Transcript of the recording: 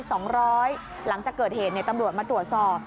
หายไป๒๐๐หลังจากเกิดเหตุตำรวจมาตรวจสอบ